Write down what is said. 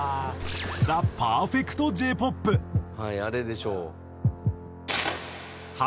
「はいあれでしょう」